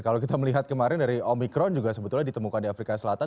kalau kita melihat kemarin dari omikron juga sebetulnya ditemukan di afrika selatan